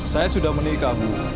saya sudah menikah bu